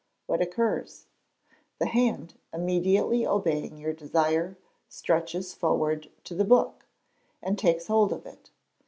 What occurs? The hand, immediately obeying your desire, stretches forward to the book, and takes hold of it.